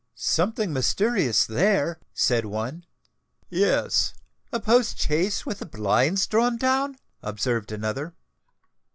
"Something mysterious there," said one. "Yes—a post chaise with the blinds drawn down," observed another.